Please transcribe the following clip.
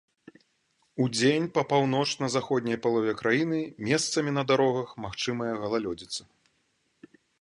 Удзень па паўночна-заходняй палове краіны месцамі на дарогах магчымая галалёдзіца.